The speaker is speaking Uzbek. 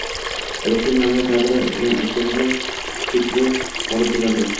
Alisher Navoiy taʼbiri bilan aytganda, «sukri gʻolib boʻladi»